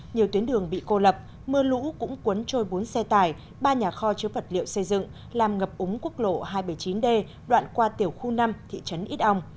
nhiều tuyến đường bị cô lập mưa lũ cũng cuốn trôi bốn xe tải ba nhà kho chứa vật liệu xây dựng làm ngập úng quốc lộ hai trăm bảy mươi chín d đoạn qua tiểu khu năm thị trấn ít ong